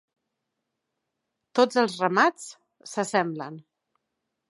Tots els ramats s'assemblen.